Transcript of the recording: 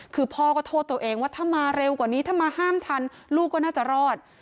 คือพ่อก็โทษตัวเองว่าถ้ามาเร็วกว่านี้ถ้ามาห้ามทันลูกก็น่าจะรอด